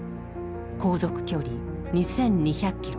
航続距離２，２００ｋｍ。